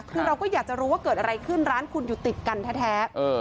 คือเราก็อยากจะรู้ว่าเกิดอะไรขึ้นร้านคุณอยู่ติดกันแท้